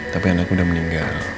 tapi anak udah meninggal